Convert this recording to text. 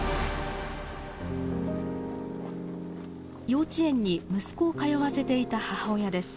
幼稚園に息子を通わせていた母親です。